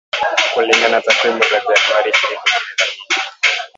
Kulingana na takwimu za Januari ishirini ishirini na mbili